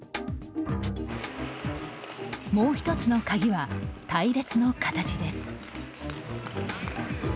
もう一つの鍵は、隊列の形です。